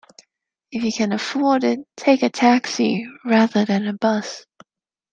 If you can afford it, take a taxi rather than a bus